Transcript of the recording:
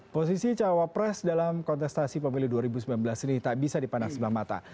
posisi cawapres dalam kontestasi pemilih dua ribu sembilan belas ini tak bisa dipandang sebelah mata